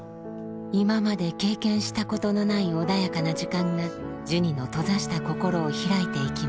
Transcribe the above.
今まで経験したことのない穏やかな時間がジュニの閉ざした心を開いていきます